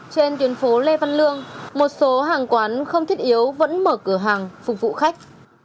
trên tuyến phố lê văn lương một số hàng quán không thiết yếu vẫn mở cửa hàng phục vụ khách